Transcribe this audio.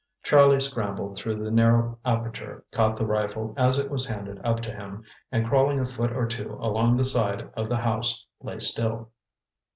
Charlie scrambled through the narrow aperture, caught the rifle as it was handed up to him, and crawling a foot or two along the side of the house, lay still.